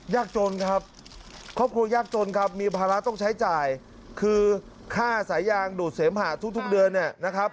ยากจนครับครอบครัวยากจนครับมีภาระต้องใช้จ่ายคือค่าสายยางดูดเสมหะทุกเดือนเนี่ยนะครับ